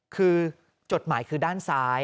คือจดหมายคือด้านซ้าย